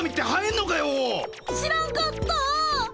知らんかった。